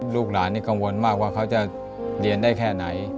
ลูกหลานนี่กังวลมากว่าเขาจะเรียนได้แค่ไหน